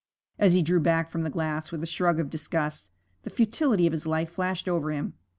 As he drew back from the glass with a shrug of disgust, the futility of his life flashed over him.